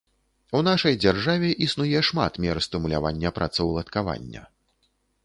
У нашай дзяржаве існуе шмат мер стымулявання працаўладкавання.